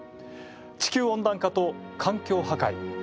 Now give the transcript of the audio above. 地球温暖化と環境破壊。